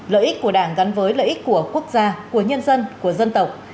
lợi ích của đảng gắn với lợi ích của quốc gia của nhân dân của dân tộc